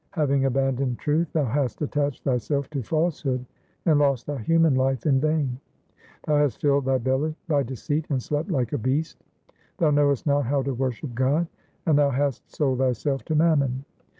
Having abandoned truth thou hast attached thyself to falsehood, and lost thy human life in vain ; Thou hast filled thy belly by deceit, and slept like a beast ; Thou knowest not how to worship God, and thou hast sold thyself to mammon.